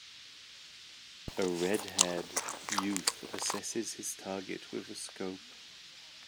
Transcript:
A redhaired youth assesses his target with a scope.